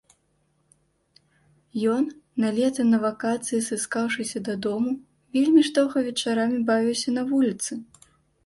Ён, на лета на вакацыі сыскаўшыся дадому, вельмі ж доўга вечарамі бавіўся на вуліцы.